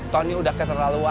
tony udah keterlaluan